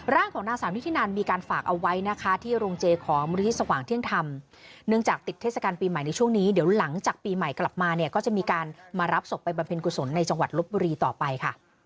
รับศพไปบรรเภนกุศลในจังหวัดลบบุรีต่อไปค่ะ